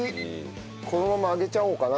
このまま上げちゃおうかな。